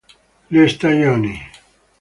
Le stagioni